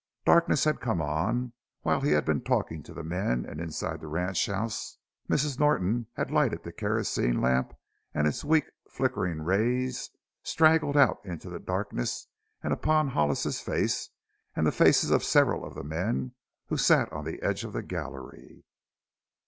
Darkness had come on while he had been talking to the men and inside the ranchhouse Mrs. Norton had lighted the kerosene lamp and its weak, flickering rays straggled out into the darkness and upon Hollis's face and the faces of several of the men who sat on the edge of the gallery.